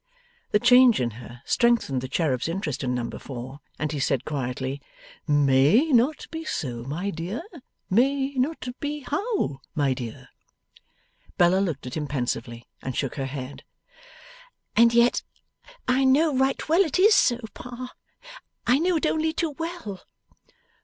The change in her, strengthened the cherub's interest in number four, and he said quietly: 'May not be so, my dear? May not be how, my dear?' Bella looked at him pensively, and shook her head. 'And yet I know right well it is so, Pa. I know it only too well.